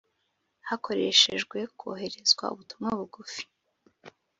hakoreshejwe koherezwa umutumwa bugufi